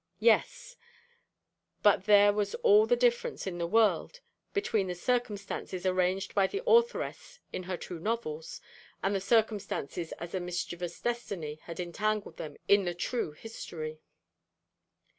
Yes: but there was all the difference in the world between the circumstances arranged by the authoress in her two novels, and the circumstances as a mischievous destiny had entangled them in the true history.